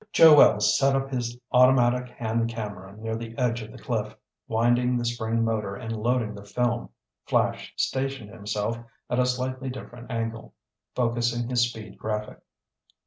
Joe Wells set up his automatic hand camera near the edge of the cliff, winding the spring motor and loading the film. Flash stationed himself at a slightly different angle, focusing his Speed Graphic.